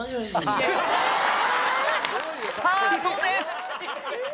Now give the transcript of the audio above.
スタートです！